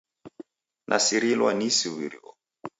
Nasirilwa ni isuw'irio.